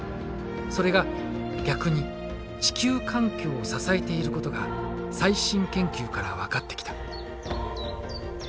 それが逆に地球環境を支えていることが最新研究から分かってきた。